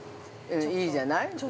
◆いいじゃない？